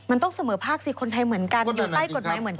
มันต้องเสมอภาคสิคนไทยเหมือนกันอยู่ใต้กฎหมายเหมือนกัน